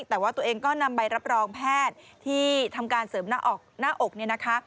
แต่ว่าตัวเองก็นำใบรับรองแพทย์ที่ทำการเสริมหน้าอกหน้าอกเนี่ยนะคะ